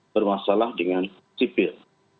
bermasalah dengan sipil